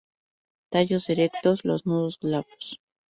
Tallos erectos, los nudos glabros.